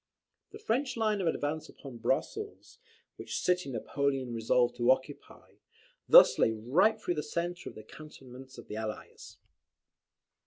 The French line of advance upon Brussels, which city Napoleon resolved to occupy, thus lay right through the centre of the cantonments of the Allies.